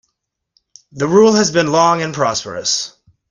The rule has been long and prosperous.